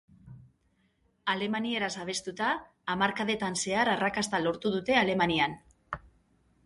Alemanieraz abestuta, hamarkadetan zehar arrakasta lortu dute Alemanian.